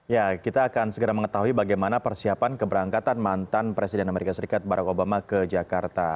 ya kita akan segera mengetahui bagaimana persiapan keberangkatan mantan presiden amerika serikat barack obama ke jakarta